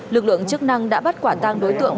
lực lượng chức năng đã bắt quả tang đối tượng